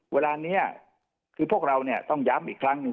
เวลานี้คือพวกเราเนี่ยต้องย้ำอีกครั้งหนึ่ง